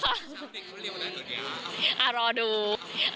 ชาวเด็กเขาเรียกว่าอะไรตัวเนี่ย